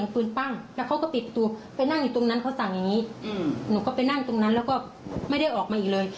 หนูก็ไปนั่งอยู่ตรงนั้นแล้วก็ไม่ได้ออกมาอีกเลย